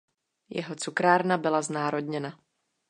Jeho cukrárna byla znárodněna.